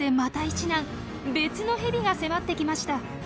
別のヘビが迫ってきました。